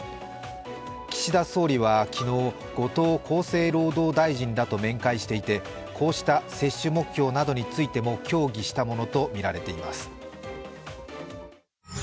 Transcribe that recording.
岸田総理は昨日、後藤厚生労働大臣らと面会していてこうした接種目標などについても協議したものとみられています。